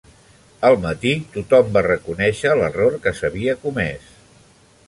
Al matí, tothom va reconèixer l'error que s'havia comès.